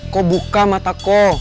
kau buka mataku